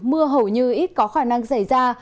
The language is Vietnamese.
mưa hầu như ít có khả năng xảy ra